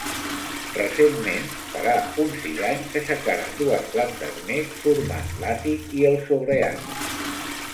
Recentment, farà uns sis anys, s'aixecaren dues plantes més, formant l'àtic i el sobreàtic.